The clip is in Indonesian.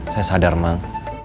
saya sadar mang